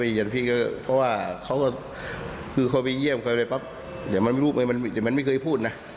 ไม่มีใจพี่เพราะว่าเขาไปเยี่ยมเดี๋ยวมันไม่พูดนะ